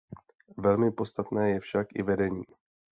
Velmi podstatné je však i vedení.